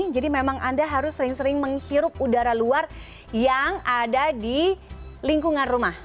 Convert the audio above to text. jadi memang anda harus sering sering menghirup udara luar yang ada di lingkungan rumah